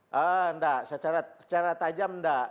tidak secara tajam tidak